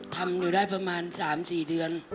ทำหนูได้ประมาณ๓๔เดือน